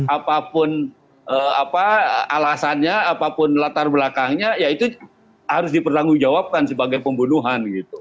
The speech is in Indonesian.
apapun alasannya apapun latar belakangnya ya itu harus dipertanggungjawabkan sebagai pembunuhan